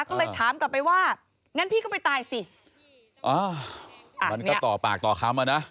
ก็เลยถามกลับไปว่างั้นพี่ก็ไปตายสิอ๋อมันก็ต่อปากต่อคำอ่ะนะ